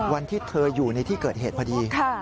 วันที่เธออยู่ในที่เกิดเหตุพอดี